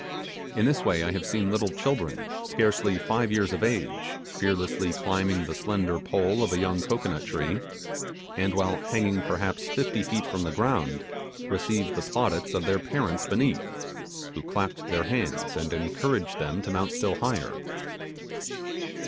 In this way I have seen little children, scarcely five years of age, fearlessly climbing the slender pole of a young cocoanut tree, and while hanging perhaps fifty feet from the ground, receiving the plaudits of their parents beneath, who clapped their hands, and encouraged them to mount still higher.